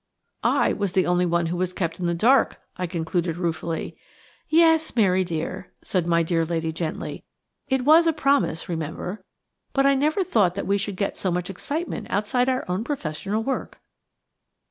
"I was the only one who was kept in the dark," I concluded ruefully. "Yes, Mary, dear," said my dear lady, gently; "it was a promise, remember. But I never thought that we should get so much excitement outside our own professional work."